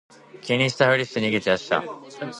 気にしたふりして逃げ出した